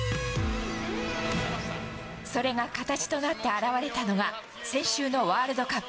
それが形となって表れたのが、先週のワールドカップ。